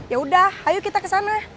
yaudah ayo kita kesana